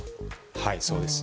はい、そうです。